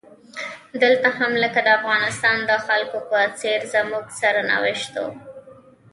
دلته هم لکه د افغانستان د خلکو په څیر زموږ سرنوشت و.